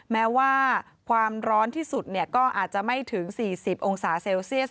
แม้ว่าความร้อนที่สุดก็อาจจะไม่ถึง๔๐องศาเซลเซียส